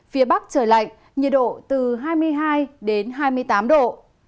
phía bắc trời lạnh nhiệt độ từ hai mươi hai hai mươi tám độ